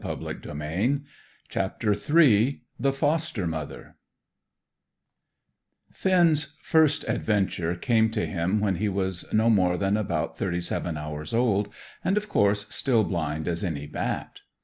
CHAPTER III THE FOSTER MOTHER Finn's first adventure came to him when he was no more than about thirty seven hours old, and, of course, still blind as any bat.